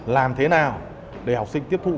làm thế nào để học sinh tiếp thụ